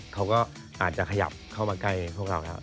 เขาก็อาจจะขยับเข้ามาใกล้พวกเราแล้ว